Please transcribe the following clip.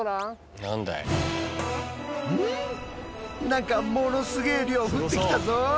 何かものすげえ量降ってきたぞ。